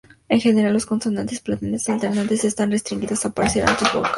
En general, las consonantes palatales alternantes están restringidas a aparecer antes de vocales.